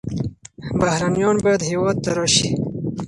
بهرنیان باید هېواد ته راشي.